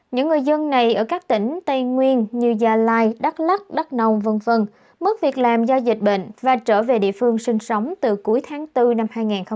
những người dân này ở các tỉnh tây nguyên như gia lai đắk lắc đắk nông v v mất việc làm do dịch bệnh và trở về địa phương sinh sống từ cuối tháng bốn năm hai nghìn hai mươi